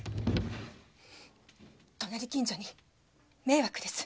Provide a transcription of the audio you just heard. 隣近所に迷惑です！